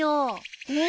えっ？